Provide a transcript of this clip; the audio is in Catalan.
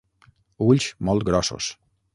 Ulls molt grossos.